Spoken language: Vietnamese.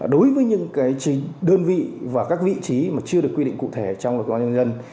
đối với những đơn vị và các vị trí mà chưa được quy định cụ thể trong luật công an nhân dân